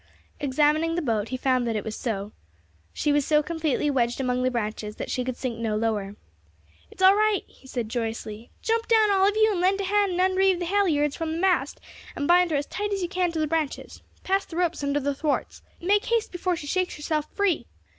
Examining the boat, he found that it was so; she was so completely wedged among the branches that she could sink no lower. "It's all right," he said joyously. "Jump down, all of you, and lend a hand and unreeve the halliards from the mast and bind her as tight as you can to the branches; pass the ropes under the thwarts. Make haste before she shakes herself free."